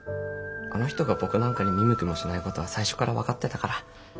あの人が僕なんかに見向きもしないことは最初から分かってたから。